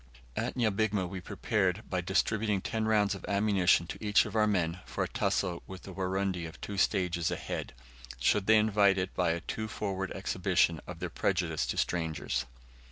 At Nyabigma we prepared, by distributing ten rounds of ammunition to each of our men, for a tussle with the Warundi of two stages ahead, should they invite it by a too forward exhibition of their prejudice to strangers.